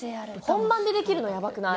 本番でできるのやばくない？